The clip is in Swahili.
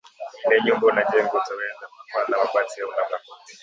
Ile nyumba unajenga, utawezeka paa na mabati au na makuti?